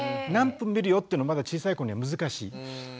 何分見るよっていうのはまだ小さい子には難しい。